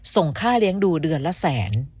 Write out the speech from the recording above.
ส่งค่าเลี้ยงดูเดือนละแสน